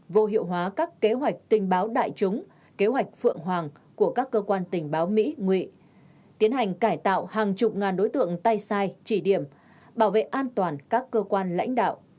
vô hiệu hóa các kế hoạch tình báo đại chúng kế hoạch phượng hoàng của các cơ quan tình báo mỹ nguy tiến hành cải tạo hàng chục ngàn đối tượng tay sai chỉ điểm bảo vệ an toàn các cơ quan lãnh đạo